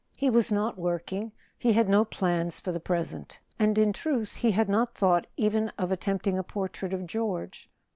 He was not working—he had no plans for the present. And in truth he had not thought even of at¬ tempting a portrait of George.